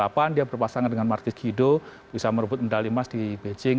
iya karena tahun dua ribu delapan dia berpasangan dengan marcus guido bisa merebut medali emas di beijing